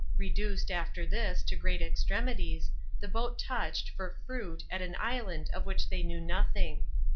Eeduced, after this, to great extremities, the boat touched, for fruit, at an inland of which they knew nothing.